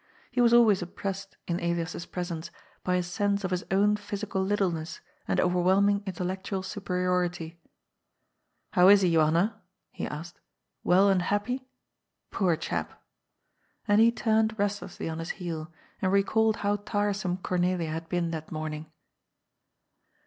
He was always oppressed in Elias's presence by a sense of his own physical littleness and overwhelming intellectual superiority. " How is he, Johan na?" he asked. "Well and happy? Poor chap!" And he turned restlessly on his heel, and recalled how tiresome Cornelia had been that morning.